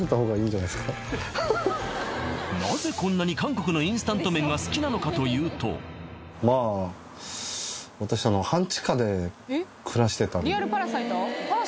なぜこんなに韓国のインスタント麺が好きなのかというとまあ私あのリアルパラサイト？